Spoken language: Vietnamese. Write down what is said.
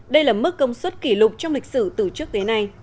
đây là mức công suất kỷ lục trong lịch sử từ trước tới nay